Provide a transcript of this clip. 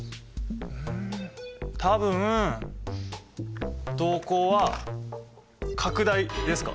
ん多分瞳孔は拡大ですか？